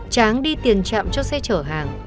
tráng đi tiền chạm cho xe chở hàng